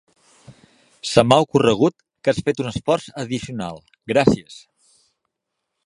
Se m"ha ocorregut que has fet un esforç addicional. Gràcies!